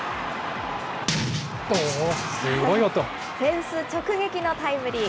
フェンス直撃のタイムリー。